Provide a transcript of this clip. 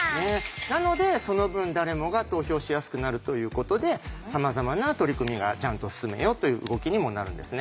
なのでその分誰もが投票しやすくなるということでさまざまな取り組みがちゃんと進めようという動きにもなるんですね。